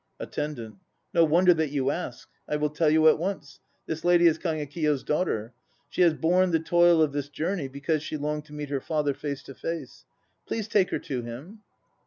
ATTENDANT. No wonder that you ask. I will tell you at once; this lady is Kagekiyo's daughter. She has borne the toil of this journey because she longed to meet her father face to face. Please take her to him.